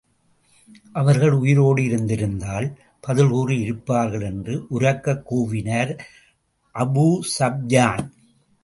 அவர்கள் உயிரோடு இருந்திருந்தால், பதில் கூறி இருப்பார்கள் என்று உரக்கக் கூவினார் அபூஸூப்யான்.